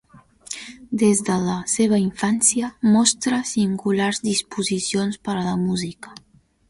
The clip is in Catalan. Des de la seva infància mostrà singulars disposicions per a la música.